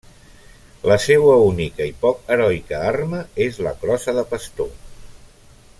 La seua única i poc heroica arma és la crossa de pastor.